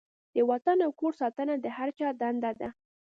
د وطن او کور ساتنه د هر چا دنده ده.